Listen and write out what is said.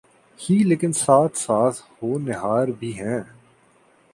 ہی لیکن ساتھ ساتھ ہونہار بھی ہیں۔